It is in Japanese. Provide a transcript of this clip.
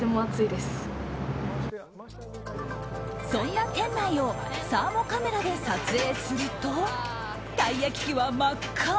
そんな店内をサーモカメラで撮影するとたい焼き器は真っ赤。